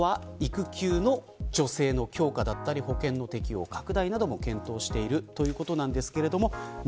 あとは育休の助成の強化だったり保険の適用拡大なども検討しているということです。